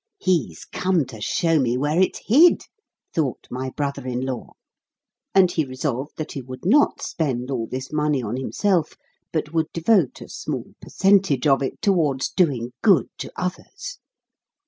"He's come to show me where it's hid," thought my brother in law; and he resolved that he would not spend all this money on himself, but would devote a small percentage of it towards doing good to others.